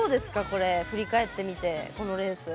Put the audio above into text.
これ振り返ってみてこのレース。